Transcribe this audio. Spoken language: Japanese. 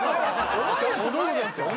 お前やってどういうことですか。